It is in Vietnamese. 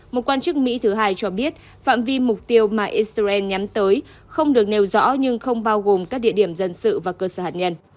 một quan chức mỹ thứ hai cho biết phạm vi mục tiêu mà israel nhắm tới không được nêu rõ nhưng không bao gồm các địa điểm dân sự và cơ sở hạt nhân